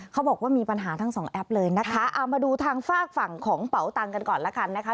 เขาบอกว่ามีปัญหาทั้งสองแอปเลยนะคะเอามาดูทางฝากฝั่งของเป๋าตังกันก่อนละกันนะคะ